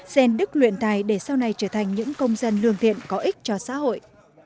xen đức luyện tài để sau này trở thành những công dân lương thiện có ích cho xã hội